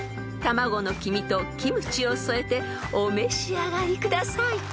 ［卵の黄身とキムチを添えてお召し上がりください］